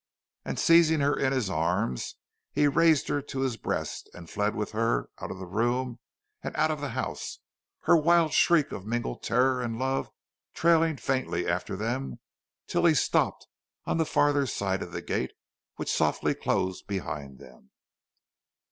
And seizing her in his arms, he raised her to his breast and fled with her out of the room and out of the house, her wild shriek of mingled terror and love trailing faintly after them till he stopped on the farther side of the gate, which softly closed behind them.